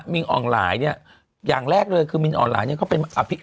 มิงออนไลน์เนี่ยอย่างแรกเลยคือมิงออนไลน์เนี่ย